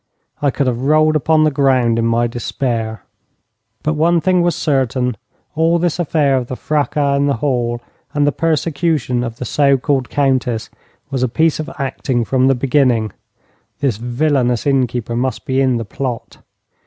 I could have rolled upon the ground in my despair. But one thing was certain all this affair of the fracas in the hall and the persecution of the so called Countess was a piece of acting from the beginning. This villainous innkeeper must be in the plot.